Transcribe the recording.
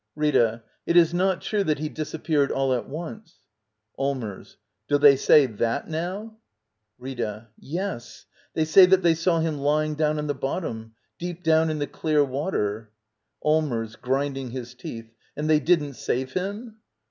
Rita. It is not true that he disappeared all at once. Allmers. Do they say that now? Rita. Yes. They say that they saw him Isang down on the bottom. Deep down in the clear water. Allmers. [Grinding his teeth.] And they didn't save him?